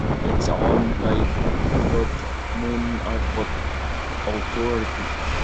It is owned by the Bert Mooney Airport Authority.